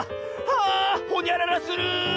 あほにゃららする！